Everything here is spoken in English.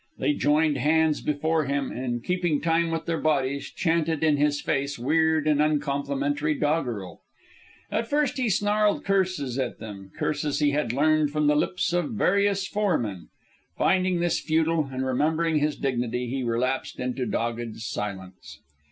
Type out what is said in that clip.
They joined hands before him, and, keeping time with their bodies, chanted in his face weird and uncomplimentary doggerel. At first he snarled curses at them curses he had learned from the lips of various foremen. Finding this futile, and remembering his dignity, he relapsed into dogged silence.